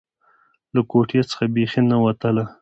له کوټې څخه بيخي نه وتله.